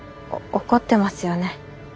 怒ってますよね？